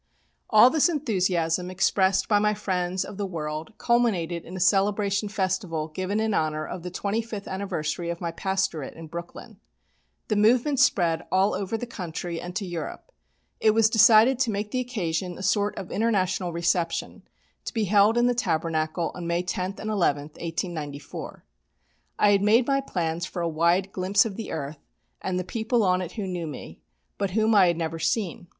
All this enthusiasm expressed by my friends of the world culminated in a celebration festival given in honour of the twenty fifth anniversary of my pastorate in Brooklyn. The movement spread all over the country and to Europe. It was decided to make the occasion a sort of International reception, to be held in the Tabernacle on May 10 and 11, 1894. I had made my plans for a wide glimpse of the earth and the people on it who knew me, but whom I had never seen.